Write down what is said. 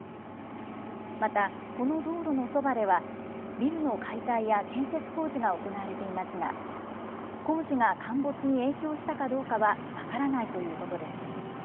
また、この道路のそばでは、ビルの解体や建設工事が行われていますが、工事が陥没に影響したかどうかは分からないということです。